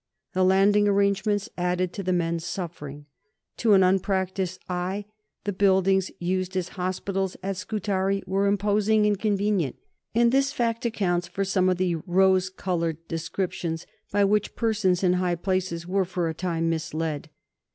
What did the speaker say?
The landing arrangements added to the men's sufferings. To an unpractised eye the buildings used as hospitals at Scutari were imposing and convenient; and this fact accounts for some of the rose coloured descriptions by which persons in high places were for a time misled.